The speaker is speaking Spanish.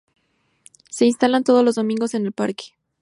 Se instalan todos los domingos en el parque.